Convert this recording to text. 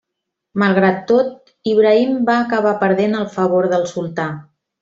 Malgrat tot, Ibrahim va acabar perdent el favor del Sultà.